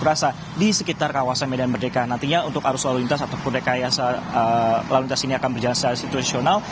di sekitar kawasan medan merdeka nantinya untuk arus lalu lintas ataupun rekayasa lalu lintas ini akan berjalan secara situasional